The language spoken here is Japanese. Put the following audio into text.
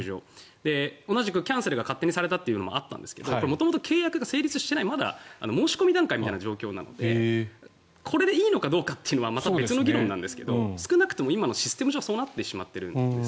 同じくキャンセルが勝手にされたというのもあったんですがこれは元々契約が成立していない申し込み段階みたいな状態なのでこれでいいのかどうかというのはまた別の議論なんですが少なくとも今のシステム上そうなってしまっているんです。